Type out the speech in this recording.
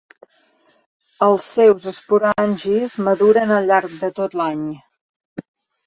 Els seus esporangis maduren al llarg de tot l'any.